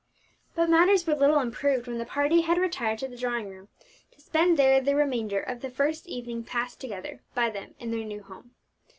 But matters were little improved when the party had retired to the drawing room, to spend there the remainder of the first evening passed together by them in their new home.